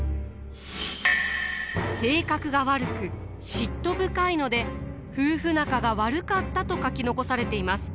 性格が悪く嫉妬深いので夫婦仲が悪かったと書き残されています。